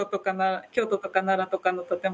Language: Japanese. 京都とか奈良とかの建物が。